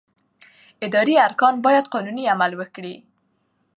اداري ارګان باید قانوني عمل وکړي.